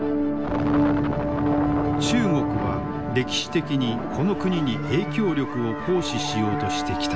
中国は歴史的にこの国に影響力を行使しようとしてきた。